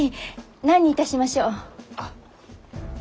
何にいたしましょう？あっ。